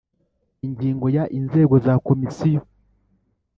Ingingo ya inzego za komisiyo